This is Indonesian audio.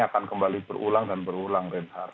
akan kembali berulang dan berulang reinhardt